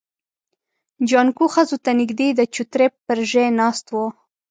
جانکو ښځو ته نږدې د چوترې پر ژی ناست و.